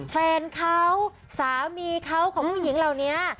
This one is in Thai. แฟนเขาสามีเขาของผู้หญิงเหล่านี้